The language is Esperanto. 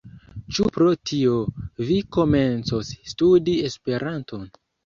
Ĉu pro tio, vi komencos studi Esperanton?